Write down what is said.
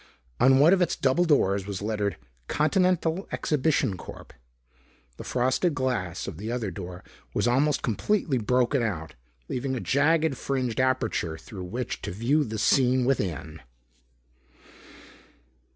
On one of its double doors was lettered "Continental Exhibition Corp." The frosted glass of the other door was almost completely broken out, leaving a jagged fringed aperture through which to view the scene within.